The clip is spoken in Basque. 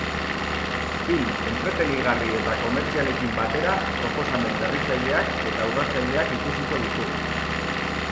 Film entretenigarri eta komertzialekin batera, proposamen berritzaileak eta urratzaileak ikusiko ditugu.